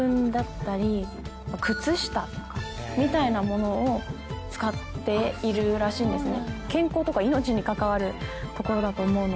みたいなものを使っているらしいんですね。